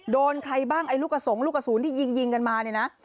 โดนใครบ้างไอ้ลูกกระสงลูกกระสุนที่ยิงยิงกันมาเนี่ยนะ